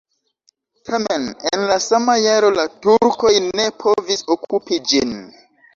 Tamen en la sama jaro la turkoj ne povis okupi ĝin.